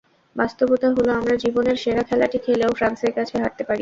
বাস্তবতা হলো, আমরা জীবনের সেরা খেলাটি খেলেও ফ্রান্সের কাছে হারতে পারি।